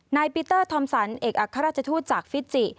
ปีเตอร์ธอมสันเอกอัครราชทูตจากฟิจิ